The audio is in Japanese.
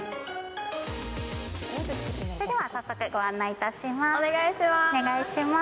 それでは早速ご案内いたしまお願いします。